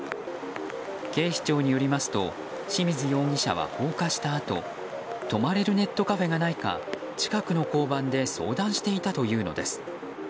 警視庁によりますと清水容疑者は放火したあと泊まれるネットカフェがないか近くの交番で相談していたというのです。